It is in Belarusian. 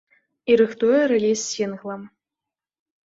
І рыхтуе рэліз сінгла.